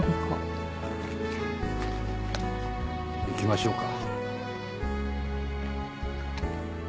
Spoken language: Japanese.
行きましょうか。